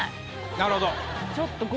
なるほど。